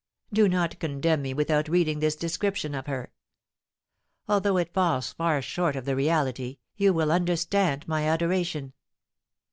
Do not condemn me without reading this description of her. Although it falls far short of the reality, you will understand my adoration.